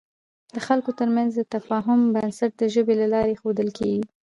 د خلکو تر منځ د تفاهم بنسټ د ژبې له لارې اېښودل کېږي.